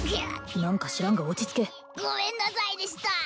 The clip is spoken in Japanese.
何か知らんが落ち着けごめんなさいでした